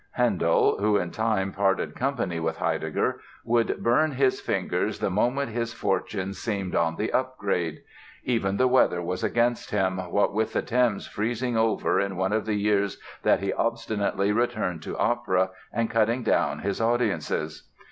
Handel (who in time parted company with Heidegger) would burn his fingers the moment his fortunes seemed on the upgrade. Even the weather was against him, what with the Thames freezing over in one of the years that he obstinately returned to opera and cutting down his audiences.